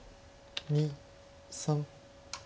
２３。